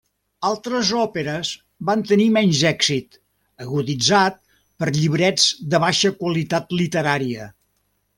Altres òperes van tindre menys èxit, aguditzat per llibrets de baixa qualitat literària.